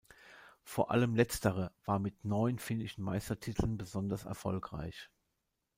Vor allem letztere war mit neun finnischen Meistertiteln besonders erfolgreich.